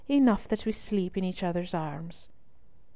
Enough that we sleep in each other's arms."